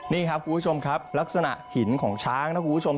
นี่ครับคุณผู้ชมครับลักษณะหินของช้างนะคุณผู้ชม